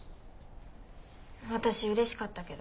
私うれしかったけど。